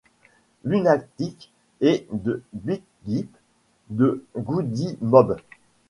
Lunatics, et de Big Gipp de Goodie Mob.